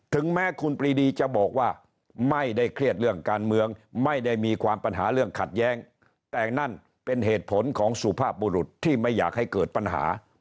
ถึงแม้คุณปรีดีจะบอกว่าไม่ได้เครียดเรื่องการเมืองไม่ได้มีความปัญหาเรื่องขัดแย้งแต่นั่นเป็นเหตุผลของสุภาพบุรุษที่ไม่อยากให้เกิดปัญหา